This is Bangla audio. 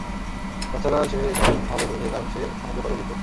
তাছাড়া সে এসব ভালো বোঝে কারণ সে অনেক ব্যাপারে অভিজ্ঞ।